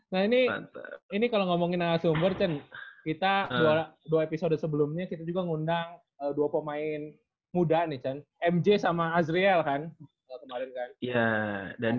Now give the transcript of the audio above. nah ini kalo ngomongin asumber cenz kita dua episode sebelumnya kita juga ngundang dua pemain muda nih cenz mj sama azriel kan